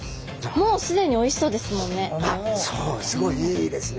もうすでにおいしそうですもんね。